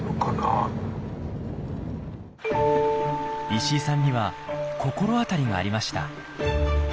石井さんには心当たりがありました。